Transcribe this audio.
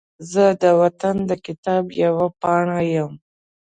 زه د وطن د کتاب یوه پاڼه یم